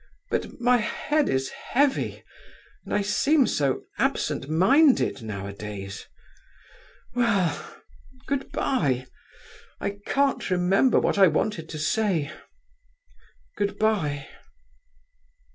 But my head is heavy, and I seem so absent minded nowadays! Well, good bye—I can't remember what I wanted to say—good bye!"